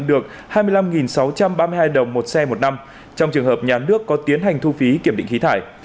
được hai mươi năm sáu trăm ba mươi hai đồng một xe một năm trong trường hợp nhà nước có tiến hành thu phí kiểm định khí thải